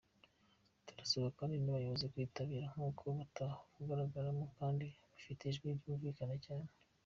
Turasaba kandi n’abayobozi kuwitabira kuko batawugaragaramo kandi bafite ijwi ryumvikana cyane”.